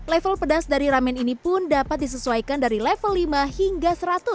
level pedas dari ramen ini pun dapat disesuaikan dari level lima hingga seratus